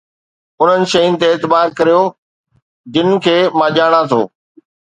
انهن شين تي اعتبار ڪريو جن کي مان ڄاڻان ٿو